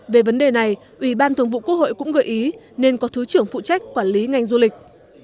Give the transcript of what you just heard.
về vấn đề này ủy ban thường vụ quốc hội cũng gợi ý nên có thứ trưởng phụ trách quản lý ngành du lịch